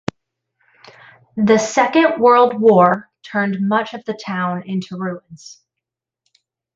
The Second World War turned much of the town into ruins.